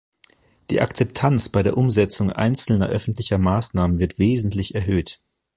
Die Akzeptanz bei der Umsetzung einzelner öffentlicher Maßnahmen wird wesentlich erhöht.